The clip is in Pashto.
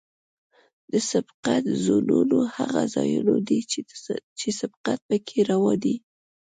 د سبقت زونونه هغه ځایونه دي چې سبقت پکې روا دی